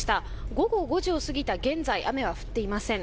午後５時を過ぎた現在、雨は降っていません。